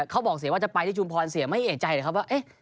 เขาบอกเสียว่าจะไปที่ชุมพรเสียไม่เอกใจเลยครับว่า